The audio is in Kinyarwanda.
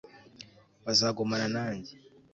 bazagumana nanjye